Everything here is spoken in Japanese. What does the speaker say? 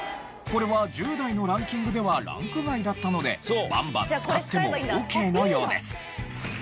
これは１０代のランキングではランク外だったのでばんばん使ってもオーケーのようです。